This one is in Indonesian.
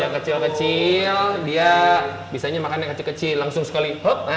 kecil kecil dia bisanya makan yang kecil kecil langsung sekali